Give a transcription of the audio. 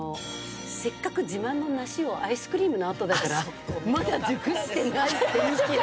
せっかく自慢の梨をアイスクリームの後だから「まだ熟していない」って言い切る。